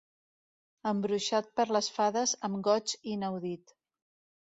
Embruixat per les fades amb goig inaudit.